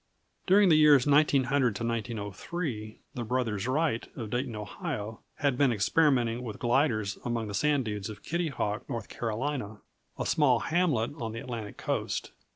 During the years 1900 to 1903, the brothers Wright, of Dayton, Ohio, had been experimenting with gliders among the sand dunes of Kitty Hawk, North Carolina, a small hamlet on the Atlantic Coast.